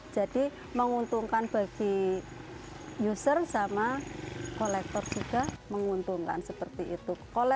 jadi menguntungkan bagi user sama kolektor juga menguntungkan seperti itu